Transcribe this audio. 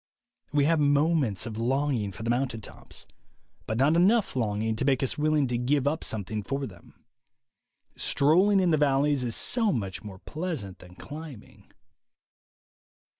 We have moments of longing for the mountain tops, but not enough longing to make us willing to give up something for them. Strolling in the valleys is so much more pleasant than climbing.